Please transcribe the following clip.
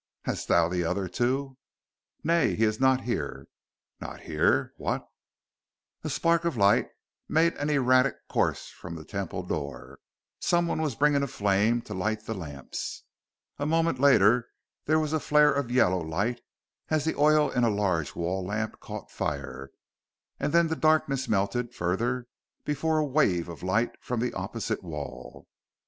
Hast thou the other, too?" "Nay he is not here." "Not here? What "A spark of light made an erratic course from the Temple door: someone was bringing a flame to light the lamps. A moment later there was a flare of yellow light as the oil in a large wall lamp caught fire, and then the darkness melted further before a wave of light from the opposite wall.